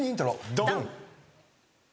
ドン！